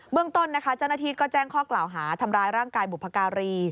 เรื่องต้นนะคะเจ้าหน้าที่ก็แจ้งข้อกล่าวหาทำร้ายร่างกายบุพการี